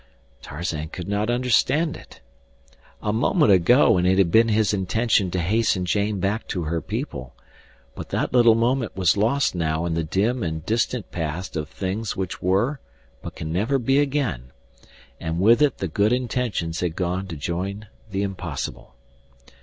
Tarzan could not understand it. A moment ago and it had been his intention to hasten Jane back to her people, but that little moment was lost now in the dim and distant past of things which were but can never be again, and with it the good intentions had gone to join the impossible.